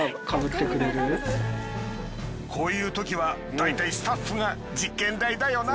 こういうときはだいたいスタッフが実験台だよな。